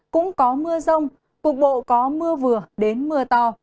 cũng có mưa rông cục bộ có mưa vừa đến mưa to